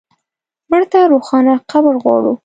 مړه ته روښانه قبر غواړو